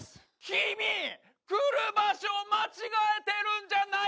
君来る場所を間違えてるんじゃないか？